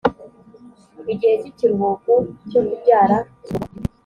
igihe cy ikiruhuko cyo kubyara kivugwa